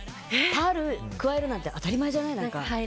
パール加えるなんて当たり前じゃない。